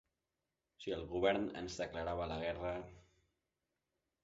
Si el Govern ens declarava la guerra...